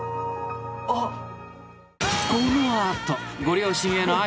あっ。